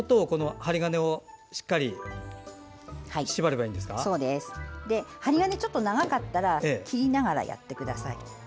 針金がちょっと長かったら切りながらやってください。